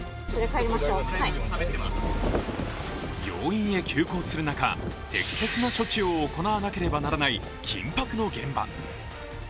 病院へ急行する中、適切な処置を行わなければならない緊迫の現場。